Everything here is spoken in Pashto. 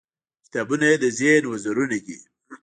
• کتابونه د ذهن وزرونه دي.